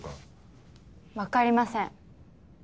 わかりません。